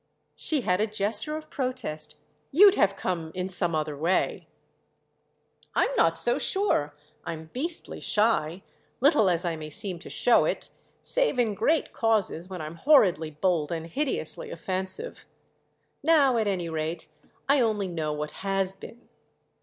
She had a gesture of protest "You'd have come in some other way." "I'm not so sure! I'm beastly shy—little as I may seem to show it: save in great causes, when I'm horridly bold and hideously offensive. Now at any rate I only know what has been."